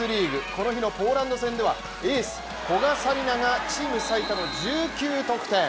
この日のポーランド戦ではエース・古賀紗理那がチーム最多の１９得点。